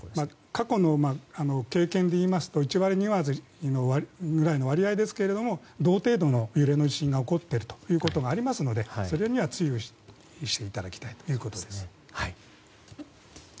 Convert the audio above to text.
過去の経験で言いますと１割２割ぐらいの割合ですけど同程度の揺れの地震が起こっているということがありますのでそれには注意していただきたいということです。